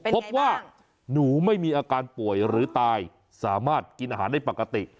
พบว่าหนูไม่มีอาการป่วยหรือตายสามารถกินอาหารได้ปกติ